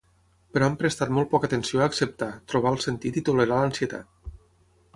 Però han prestat molt poca atenció a acceptar, trobar el sentit i tolerar l'ansietat.